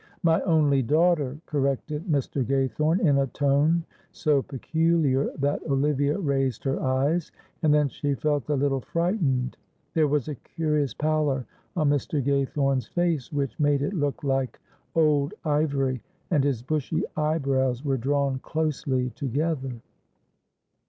"My only daughter," corrected Mr. Gaythorne, in a tone so peculiar, that Olivia raised her eyes, and then she felt a little frightened. There was a curious pallor on Mr. Gaythorne's face, which made it look like old ivory, and his bushy eyebrows were drawn closely together.